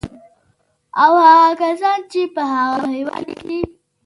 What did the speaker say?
او هغه کسان چې په هغه هېواد کې